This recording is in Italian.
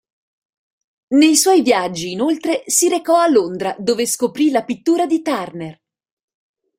Nei suoi viaggi, inoltre, si recò a Londra dove scoprì la pittura di Turner.